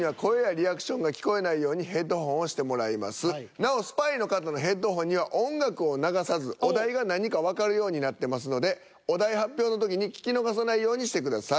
なおスパイの方のヘッドホンには音楽を流さずお題が何かわかるようになってますのでお題発表の時に聞き逃さないようにしてください。